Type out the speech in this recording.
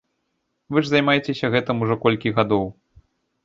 Вы ж займаецеся гэтым ужо колькі гадоў!